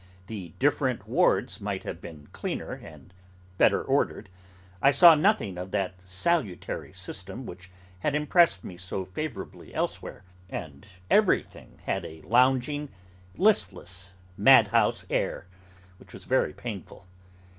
The different wards might have been cleaner and better ordered; I saw nothing of that salutary system which had impressed me so favourably elsewhere; and everything had a lounging, listless, madhouse air, which was very painful.